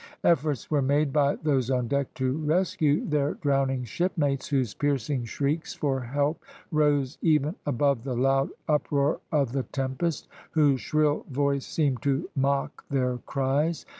Efforts were made by those on deck to rescue their drowning shipmates, whose piercing shrieks for help rose even above the loud uproar of the tempest, whose shrill voice seemed to mock their cries.